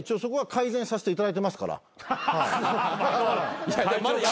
改善させていただいてますから。